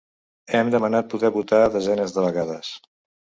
Hem demanat poder votar desenes de vegades.